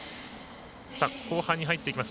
後半に入っていきます。